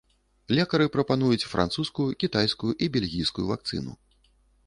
Лекары прапануюць французскую, кітайскую і бельгійскую вакцыну.